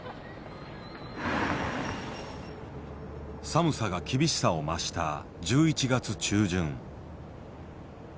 寒さが厳しさを増した１１月中旬。